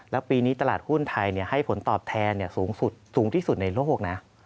แล้วปีนี้ตลาดหุ้นไทยให้ผลตอบแทนสูงที่สุดในโลกนะ